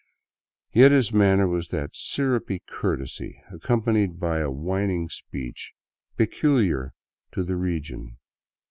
Yet his manner was that syrupy courtesy, accompanied by a whining speech, peculiar to the region.